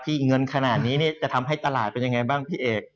เงินขนาดนี้จะทำให้ตลาดเป็นยังไงบ้างพี่เอก